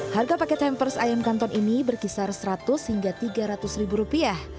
harga paket hampers ayam kanton ini berkisar seratus hingga tiga ratus ribu rupiah